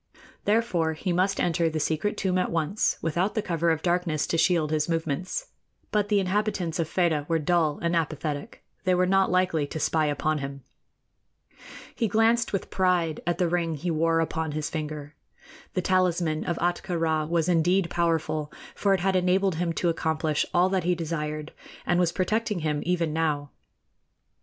Therefore, he must enter the secret tomb at once, without the cover of darkness to shield his movements; but the inhabitants of Fedah were dull and apathetic they were not likely to spy upon him. He glanced with pride at the ring he wore upon his finger. The talisman of Ahtka Rā was indeed powerful, for it had enabled him to accomplish all that he desired, and was protecting him even now.